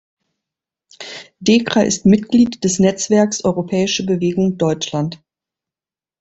Dekra ist Mitglied des Netzwerks Europäische Bewegung Deutschland.